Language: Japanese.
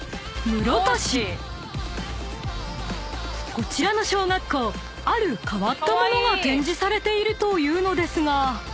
［こちらの小学校ある変わったものが展示されているというのですが］